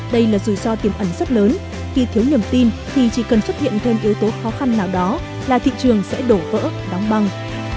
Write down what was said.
đây là rủi ro tiềm ẩn rất lớn khi thiếu niềm tin thì chỉ cần xuất hiện thêm yếu tố khó khăn nào đó là thị trường sẽ đổ vỡ đóng băng